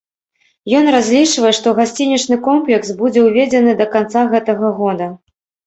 Ён разлічвае, што гасцінічны комплекс будзе ўведзены да канца гэтага года.